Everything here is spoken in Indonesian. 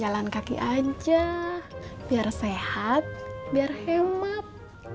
jalan kaki aja biar sehat biar hemat